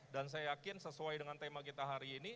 dan saya yakin sesuai dengan tema kita hari ini